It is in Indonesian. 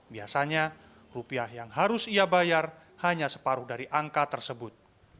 biasanya rupiah yang harus ia bayar hanya separuh dari angka tersebut